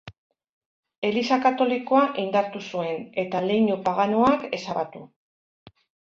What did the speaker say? Eliza katolikoa indartu zuen eta leinu paganoak ezabatu.